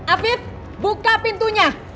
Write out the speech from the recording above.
afif buka pintunya